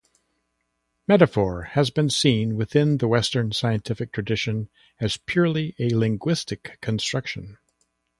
Metaphor has been seen within the Western scientific tradition as purely a linguistic construction.